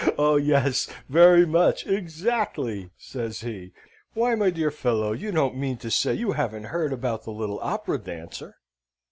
"Oh yes! very much! exactly!" says he. "Why, my dear fellow, you don't mean to say you haven't heard about the little Opera dancer?"